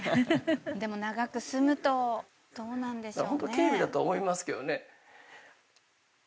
でも長く住むとどうなんでしょうね。